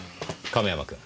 亀山君。